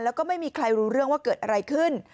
แล้วก็ไม่มีใครรู้เรื่องว่าเกิดอะไรขึ้น